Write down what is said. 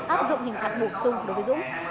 áp dụng hình phạt bổ sung đối với dũng